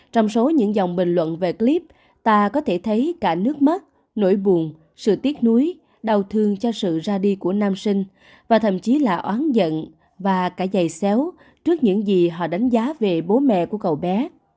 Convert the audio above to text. trong số những dòng bình luận về clip ta có thể thấy cả nước mắt nỗi buồn sự tiếc nuối đau thương cho sự ra đi của nam sinh và thậm chí là oán giận và cả dày xéo trước những gì họ đánh giá về bố mẹ của cậu bé